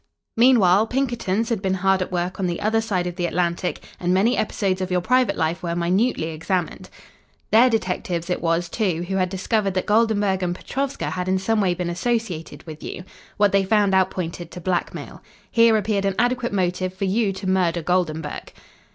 "Meanwhile, Pinkerton's had been hard at work on the other side of the Atlantic, and many episodes of your private life were minutely examined. Their detectives it was, too, who had discovered that Goldenburg and Petrovska had in some way been associated with you. What they found out pointed to blackmail. Here appeared an adequate motive for you to murder Goldenburg."